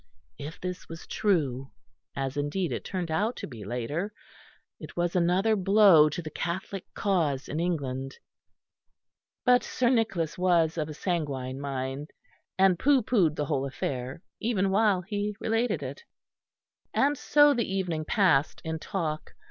If this was true, as indeed it turned out to be later, it was another blow to the Catholic cause in England; but Sir Nicholas was of a sanguine mind, and pooh poohed the whole affair even while he related it. And so the evening passed in talk.